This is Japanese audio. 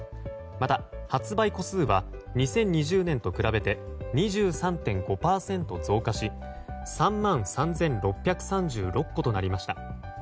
また、発売戸数は２０２０年度比べて２３．５％増加し３万３６３６戸となりました。